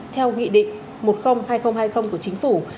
theo nghị định một trăm linh hai nghìn hai mươi của chính phủ